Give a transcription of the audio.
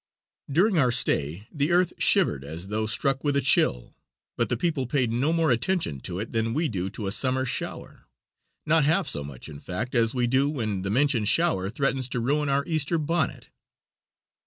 During our stay the earth shivered as though struck with a chill, but the people paid no more attention to it than we do to a summer shower; not half so much, in fact, as we do when the mentioned shower threatens to ruin our Easter bonnet.